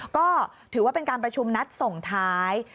ก็ถือว่าเป็นการประชุมนัดส่งท้าย